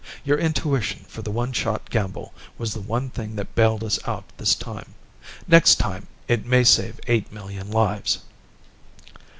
Your intuition for the one shot gamble was the one thing that bailed us out this time. Next time it may save eight million lives."